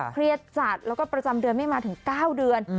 เครียดจัดแล้วก็ประจำเดือนไม่มาถึง๙เดือน